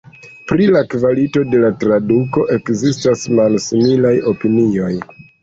Pri la kvalito de la traduko ekzistas malsimilaj opinioj.